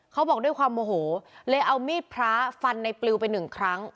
เขาบอกด้วยความโมโหเลยเอามีดพระฟันในปลิวไปหนึ่งครั้ง